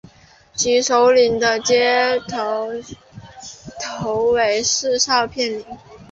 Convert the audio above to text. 其首领的头衔是召片领。